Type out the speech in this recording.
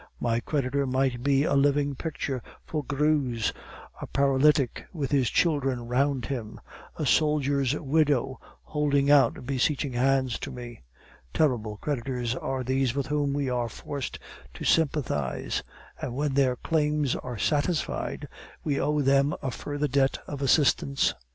My creditor might be a living picture for Greuze, a paralytic with his children round him, a soldier's widow, holding out beseeching hands to me. Terrible creditors are these with whom we are forced to sympathize, and when their claims are satisfied we owe them a further debt of assistance.